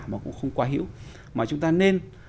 mà cũng không quá hiểu mà chúng ta nên